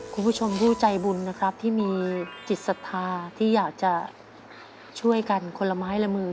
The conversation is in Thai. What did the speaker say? คุณผู้ชมผู้ใจบุญนะครับที่มีจิตศรัทธาที่อยากจะช่วยกันคนละไม้ละมือ